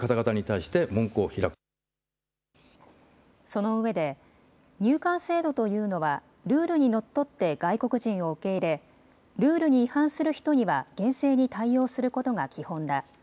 そのうえで入管制度というのはルールにのっとって外国人を受け入れルールに違反する人には厳正に対応することが基本だ。